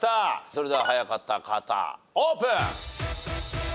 それでは早かった方オープン！